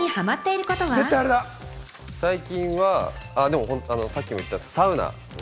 最近はさっきも言ったサウナ。